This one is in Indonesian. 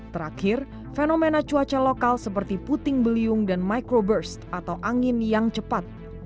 terakhir fenomena cuaca lokal seperti puting beliung dan microburst atau angin yang cepat